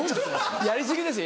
やり過ぎですよ